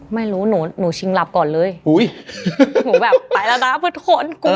ไม่รู้หนูชิงหลับก่อนเลยหนูแบบไปแล้วนะเผื่อโทนกลัว